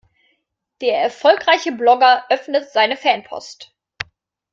Der erfolgreiche Blogger öffnet seine Fanpost.